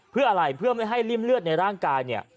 เพื่ออะไรเพื่อไม่ให้ริ่มเลือดในร่างกายเนี่ย